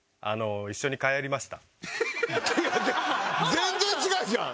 全然違うじゃん！